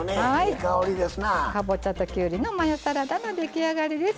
かぼちゃときゅうりのマヨサラダの出来上がりです。